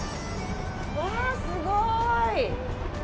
うわ、すごい！